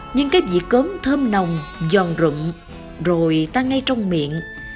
nhưng cái vị cốm thơm nồng giòn rụng rồi tan ngay trong miệng